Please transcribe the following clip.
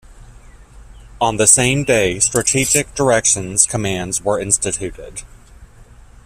On the same day Strategic Directions commands were instituted.